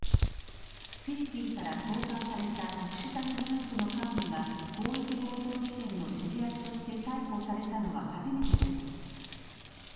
フィリピンから送還された特殊詐欺グループの幹部が広域強盗事件の指示役として逮捕されたのは初めてです。